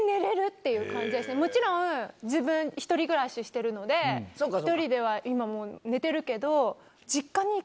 もちろん自分１人暮らししてるので１人では今もう寝てるけど。